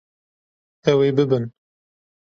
Ew ê bibin.